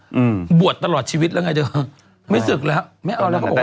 อืมบวชตลอดชีวิตแล้วไงเธอไม่ศึกแล้วไม่เอาแล้วเขาบอกว่า